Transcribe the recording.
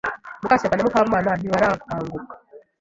Mukashyaka na Mukamana ntibarakanguka.